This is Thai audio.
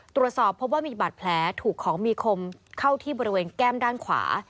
ตรวจสอบพบว่ามีบาดแผลถูกของมีคมเข้าที่บริเวณแก้มด้านขวา